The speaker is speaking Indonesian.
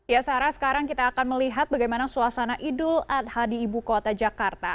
ya sarah sekarang kita akan melihat bagaimana suasana idul adha di ibu kota jakarta